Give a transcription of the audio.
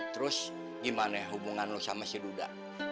terus gimana hubungan lo sama si duda